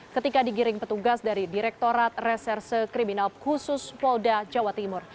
ketika digiring petugas dari direktorat reserse kriminal khusus polda jawa timur